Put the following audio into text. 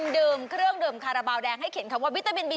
ดื่มเครื่องดื่มคาราบาลแดงให้เขียนคำว่าวิตามินบี